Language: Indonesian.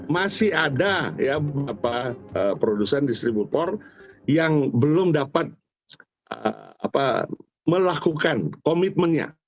masih ada produsen distributor yang belum dapat melakukan komitmennya